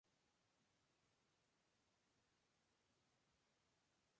Cursó estudios de teología y filosofía.